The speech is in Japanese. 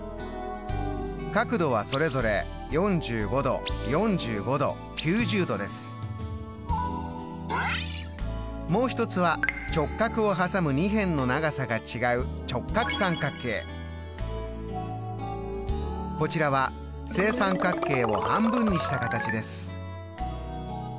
角度はそれぞれもう一つは直角を挟む２辺の長さが違うこちらは正三角形を半分にした形です。